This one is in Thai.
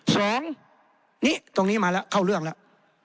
สองนี่ตรงนี้มาแล้วเข้าเรื่องแล้ว